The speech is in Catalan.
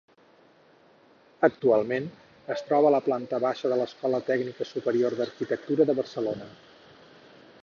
Actualment es troba a la planta baixa de l'Escola Tècnica Superior d'Arquitectura de Barcelona.